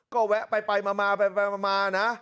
ก็แวะไปมานะ